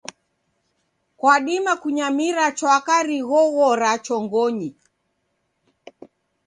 Kwadima kunyamira chwaka righoghora chongonyi.